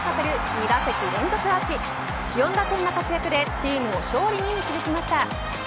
２打席連続アーチ４打点の活躍でチームを勝利に導きました。